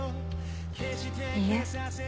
いいえ